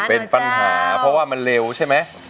เป็นปัญหาเพราะว่ามันเร็วใช่ไหม